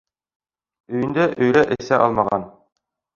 Өйөндә өйрә эсә алмаған